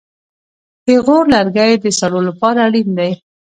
پېغور لرګی د سړو لپاره اړین دی.